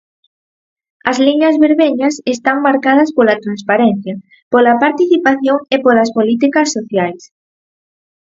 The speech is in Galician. As liñas vermellas están marcadas pola transparencia, pola participación e polas políticas sociais.